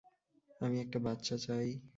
আমি একটা বাচ্চা চাই।